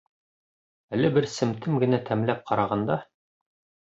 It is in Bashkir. Әле бер семтем генә тәмләп ҡарағанда...